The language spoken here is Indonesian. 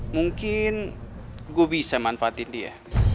mungkin gue bisa manfaatin dia